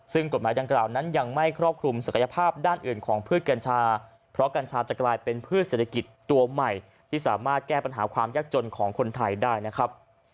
ซึ่งกฎหมายดังกล่าวนั้นยังไม่ครอบคลุมศักยภาพด้านอื่นของพืชกัญชาเพราะกัญชาจะกลายเป็นพืชเศรษฐกิจตัวใหม่ที่สามารถแก้ปัญหาความยากจนของคนไทยได้นะครับ